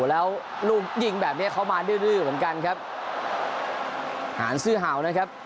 แล้วลูกยิงแบบเนี้ยเขามาดื้อดื้อเหมือนกันครับหานซื้อเห่านะครับ